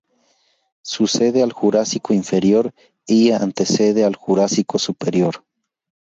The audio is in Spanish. Sucede al Jurásico Inferior y antecede al Jurásico Superior.